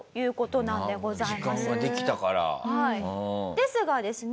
ですがですね